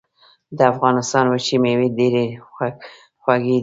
د افغانستان وچې مېوې ډېرې خوږې دي.